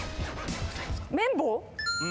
麺棒？